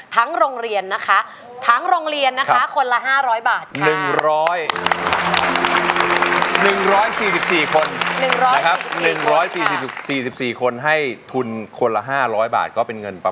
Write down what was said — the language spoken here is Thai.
โรงเรียนนะคะทั้งโรงเรียนนะคะคนละ๕๐๐บาท